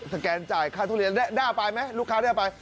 แกนจ่ายค่าทุเรียนด้าไปไหมลูกค้าได้ไป